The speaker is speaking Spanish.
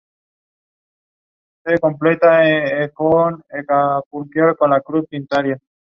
Alcanzó el grado de general y, más tarde, fue gobernador de Buenos Aires.